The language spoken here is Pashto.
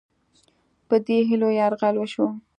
په دې هیلو یرغل وشو.